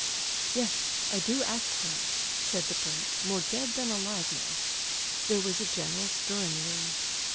"Yes—I do ask for it!" said the prince, more dead than alive now. There was a general stir in the room.